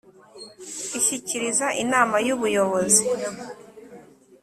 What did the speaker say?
ishyikiriza Inama y Ubuyobozi